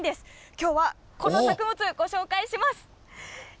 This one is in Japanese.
きょうはこの作物、ご紹介します。